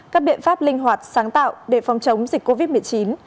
các biện pháp linh hoạt sáng tạo để phòng chống dịch covid một mươi chín